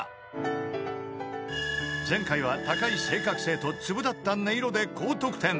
［前回は高い正確性と粒立った音色で高得点］